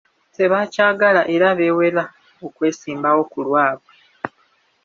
Tebaakyagala era beewera okwesimbawo ku lwabwe.